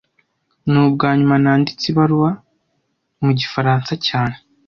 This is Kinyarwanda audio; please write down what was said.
Ni ubwanyuma nanditse ibaruwa mu gifaransa cyane